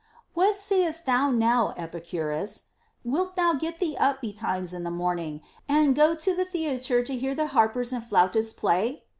* What sayest thou now, Epicurus \ Wilt thou get thee up betimes in the morning, and go to the theatre to hear the harpers and flutists play?